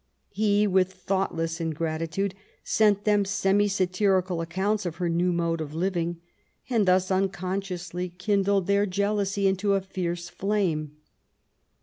He, with thoughtless ingratitude, sent them semi satirical accounts of her new mode of living, and thus unconsciously kindled their jealousy into a fierce flame.